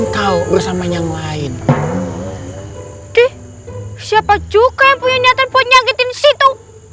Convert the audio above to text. kau bersama yang lain deh siapa juga punya nyata punya gitu situ